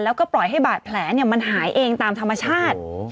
แล้วก็ปล่อยให้บาดแผลมันหายเองตามธรรมชาติ